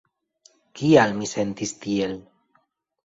Kial mi sentis tiel?